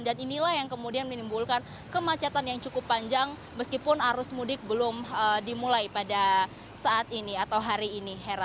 dan inilah yang kemudian menimbulkan kemacetan yang cukup panjang meskipun arus mudik belum dimulai pada saat ini atau hari ini